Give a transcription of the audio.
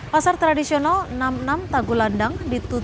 pasar tradisional enam puluh enam tagulandang